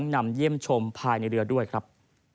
ในเรือด้วยครับ